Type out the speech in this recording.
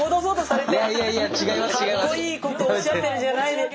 かっこいいことおっしゃってるんじゃない。